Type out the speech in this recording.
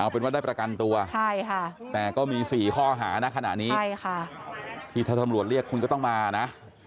เป็นว่าได้ประกันตัวแต่ก็มี๔ข้อหานะขณะนี้ที่ถ้าตำรวจเรียกคุณก็ต้องมานะ